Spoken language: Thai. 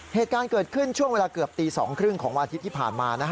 เหตุการณ์เกิดขึ้นช่วงเวลาเกือบตี๒๓๐ของวันอาทิตย์ที่ผ่านมา